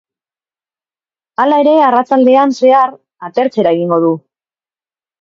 Hala ere, arratsaldean zehar atertzera egingo du.